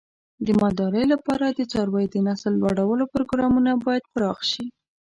د مالدارۍ لپاره د څارویو د نسل لوړولو پروګرامونه باید پراخ شي.